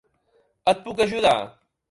Et puc ajudar?